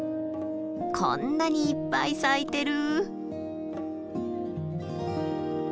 こんなにいっぱい咲いてる！